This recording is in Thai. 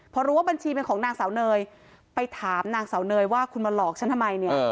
พอรู้ว่าบัญชีเป็นของนางสาวเนยไปถามนางสาวเนยว่าคุณมาหลอกฉันทำไมเนี่ย